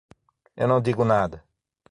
Eu não digo nada.